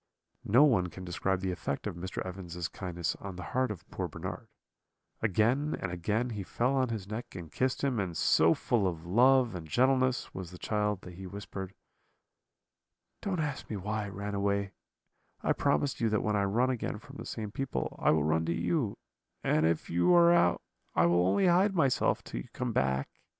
"No one can describe the effect of Mr. Evans's kindness on the heart of poor Bernard; again and again he fell on his neck and kissed him; and so full of love and gentleness was the child that he whispered: "'Don't ask me why I ran away; I promise you that when I run again from the same people, I will run to you; and if you are out, I will only hide myself till you come back.'